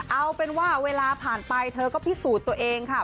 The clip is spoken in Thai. เอาเป็นว่าเวลาผ่านไปเธอก็พิสูจน์ตัวเองค่ะ